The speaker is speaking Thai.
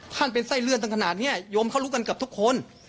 เป็นไส้เลื่อนตั้งขนาดนี้โยมเขารู้กันกับทุกคน